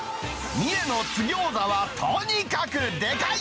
三重の津ぎょうざはとにかくでかい。